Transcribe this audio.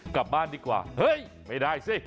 กลับบ้านดีกว่าเฮ้ยไม่ได้สิ